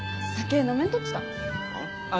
あ？